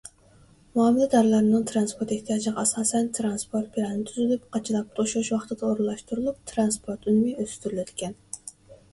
مۇئامىلىدارلارنىڭ تىرانسپورت ئېھتىياجىغا ئاساسەن تىرانسپورت پىلانى تۈزۈلۈپ، قاچىلاپ توشۇش ۋاقتىدا ئورۇنلاشتۇرۇلۇپ، تىرانسپورت ئۈنۈمى ئۆستۈرۈلىدىكەن.